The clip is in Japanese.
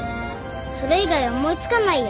それ以外思い付かないや。